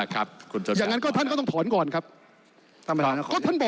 คนก็ต้องทอนก่อนครับ